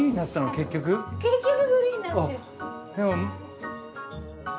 結局グリーンになって。